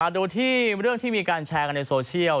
ดูที่เรื่องที่มีการแชร์กันในโซเชียล